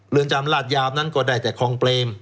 เรือนจำลาดยาวนั้นก็ได้แต่คลองเปรม